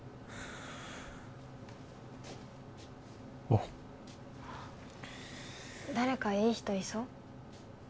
おう誰かいい人いそう？